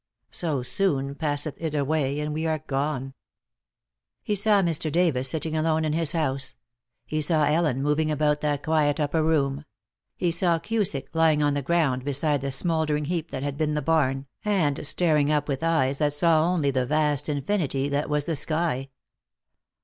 "So soon passeth it away, and we are gone." He saw Mr. Davis, sitting alone in his house; he saw Ellen moving about that quiet upper room; he saw Cusick lying on the ground beside the smoldering heap that had been the barn, and staring up with eyes that saw only the vast infinity that was the sky.